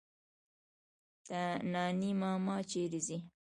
نانی ماما چيري ځې؟